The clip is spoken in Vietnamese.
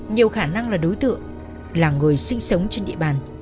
nhiều khả năng là đối tượng là người sinh sống trên địa bàn